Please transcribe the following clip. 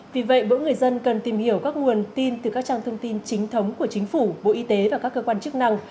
vì vậy mỗi người dân cần tìm hiểu các nguồn tin từ các trang thông tin chính thống của chính phủ bộ y tế và các cơ quan chức năng